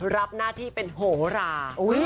รับหน้าที่เป็นโหรา